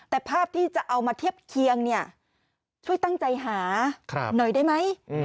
แต่ภาพที่จะเอามาเทียบเคียงเนี่ยช่วยตั้งใจหาหน่อยได้ไหม